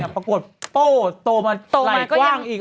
ปรากฏโป้โตมาไกลกว้างอีก